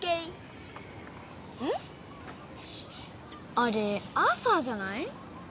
あれアーサーじゃない？